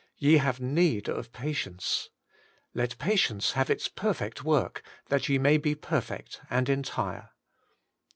* Ye have ^ need of patience.' * Let patience have its perfect work, that ye may be perfect and entire.'